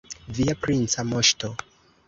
Via princa moŝto!